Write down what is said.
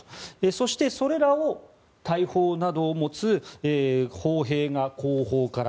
そして、それらを大砲などを持つ砲兵が後方から。